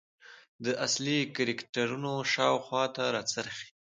د اصلي کرکترونو شاخواته راڅرخي .